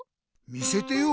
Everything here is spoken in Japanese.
見せてよ。